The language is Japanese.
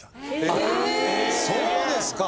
そうですか！